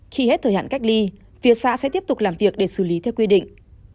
khi hết thời hạn cách ly phía xã sẽ tiếp tục làm việc để xử lý theo quy định